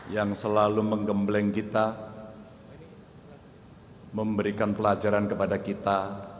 yang selalu menggembleng kita memberikan pelajaran kepada kita